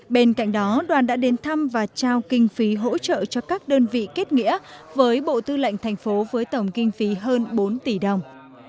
bên cạnh đó đoàn đã đến thăm và trao kinh phí hỗ trợ cho các đơn vị kết nghĩa với bộ tư lệnh thành phố với tổng kinh phí hơn bốn tỷ đồng